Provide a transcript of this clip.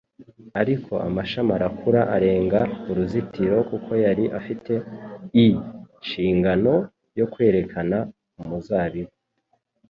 Ariko amashami arakura arenga uruzitiro kuko yari afite i«shingano yo kwerekana umuzabibu.